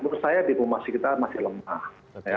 menurut saya diplomasi kita masih lemah